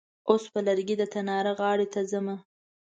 اوس په لرګي د تناره غاړې ته ځمه.